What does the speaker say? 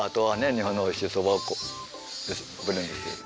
日本のおいしいそばをこうブレンドしてる。